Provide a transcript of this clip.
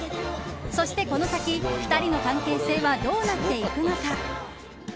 そしてこの先、２人の関係性はどうなっていくのか。